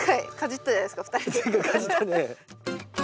前回かじったね。